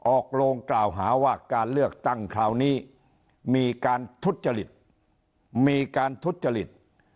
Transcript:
โลงกล่าวหาว่าการเลือกตั้งคราวนี้มีการทุจริตมีการทุจริต